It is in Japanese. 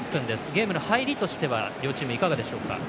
ゲームの入りとしては両チームいかがでしょうか？